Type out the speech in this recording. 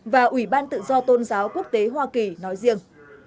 và ủy ban tự do tôn giáo quốc tế hoa kỳ nói riêng